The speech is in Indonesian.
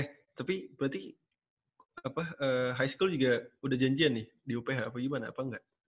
eh tapi berarti high school juga udah janjian nih di uph apa gimana apa enggak